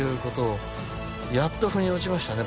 やっとふに落ちましたね。